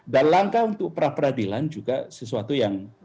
dan langkah untuk peradilan juga sesuatu yang